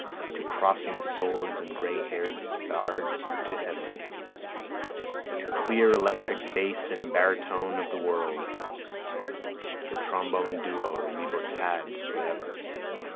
To crossing swords and gray hairs bared to heaven, The clear electric base and baritone of the world, The trombone duo, Libertad forever!